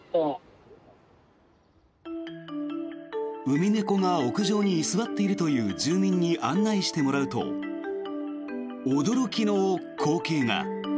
ウミネコが屋上に居座っているという住民に案内してもらうと驚きの光景が。